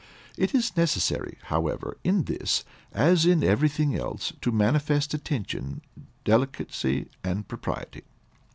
It is necessary, however, in this, as in everything else, to manifest attention, delicacy, and propriety.